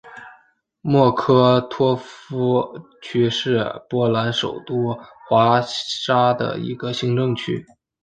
莫科托夫区是波兰首都华沙的一个行政区。